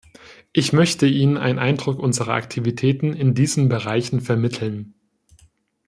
Ich möchte Ihnen einen Eindruck unserer Aktivitäten in diesen Bereichen vermitteln.